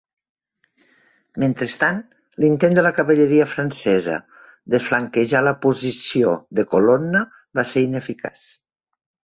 Mentrestant, l'intent de la cavalleria francesa de flanquejar la posició de Colonna va ser ineficaç.